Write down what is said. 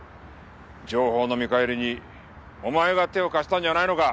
情報の見返りにお前が手を貸したんじゃないのか。